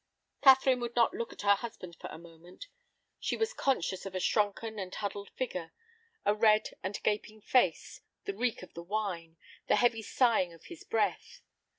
Catherine would not look at her husband for the moment. She was conscious of a shrunken and huddled figure, a red and gaping face, the reek of the wine, the heavy sighing of his breath.